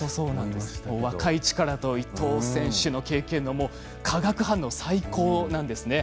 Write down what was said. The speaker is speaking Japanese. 若い力と伊藤選手の力の化学反応、最高なんですね。